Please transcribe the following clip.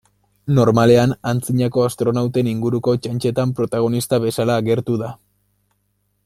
Normalean antzinako astronauten inguruko txantxetan protagonista bezala agertu da.